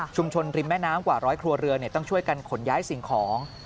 ริมแม่น้ำกว่าร้อยครัวเรือนต้องช่วยกันขนย้ายสิ่งของ